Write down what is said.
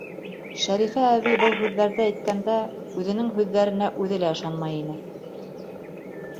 Шәрифә әбей был һүҙҙәрҙе әйткәндә, үҙенең һүҙҙәренә үҙе лә ышанмай ине.